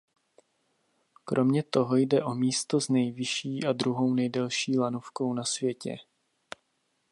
Kromě toho jde o místo s nejvyšší a druhou nejdelší lanovkou na světě.